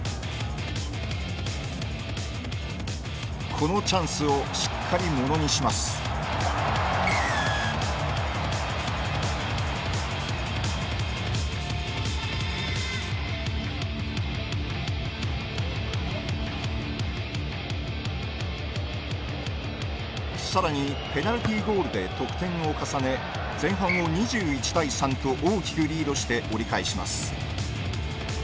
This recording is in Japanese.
このチャンスをしっかりものにしますさらにペナルティーゴールで得点を重ね前半を２１対３と大きくリードして折り返します